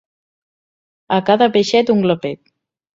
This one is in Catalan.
A cada peixet, un glopet.